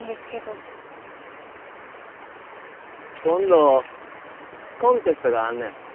今度コンテストがあんねん。